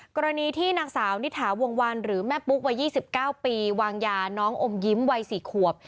กรณีที่หนักสาวนิถาวงวันหรือแม่ปุ๊กวัยยี่สิบเก้าปีวางยาน้องอมยิ้มวัยสี่ขวบ